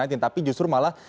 tapi justru malah